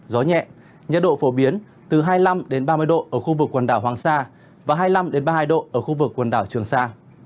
gió nhẹ nhiệt độ phổ biến từ hai mươi năm ba mươi độ ở khu vực quần đảo hoàng sa và hai mươi năm ba mươi hai độ ở khu vực quần đảo trường sa